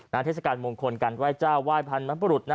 นานเทศกาลมงคลการไหว้เจ้าไหว้พันธุ์มหาภรุษ